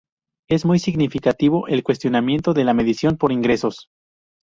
Es muy significativo el cuestionamiento de la medición por ingresos.